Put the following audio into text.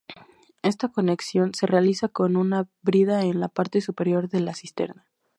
Esta conexión se realiza con una brida en la parte superior de la cisterna.